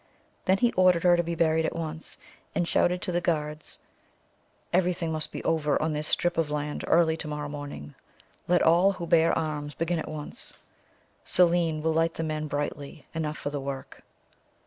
Then he ordered her to be buried at once and shouted to the guards: "Everything must be over on this strip of land early to morrow morning! Let all who bear arms begin at once. Selene will light the men brightly enough for the work."